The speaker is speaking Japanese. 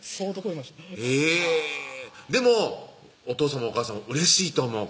えぇでもお父さんもお母さんもうれしいと思う